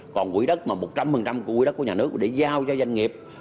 còn quỹ đất mà một trăm linh của quỹ đất của nhà nước để giao cho doanh nghiệp